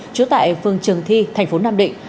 trú tại phương trường thi tp nam định